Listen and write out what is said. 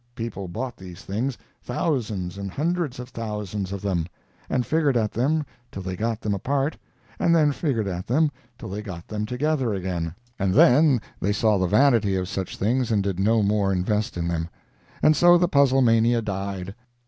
People bought these things—thousands and hundreds of thousands of them—and figured at them till they got them apart, and then figured at them till they got them together again; and then they saw the vanity of such things and did no more invest in them. And so the puzzle mania died.